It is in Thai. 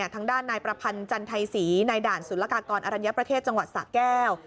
ทางด้านนายประพันธ์จันไทยศรีในด่านศุลกากรอรัญญประเทศจังหวัดสะแก้ว